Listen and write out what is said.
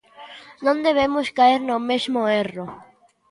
Non debemos caer no mesmo erro.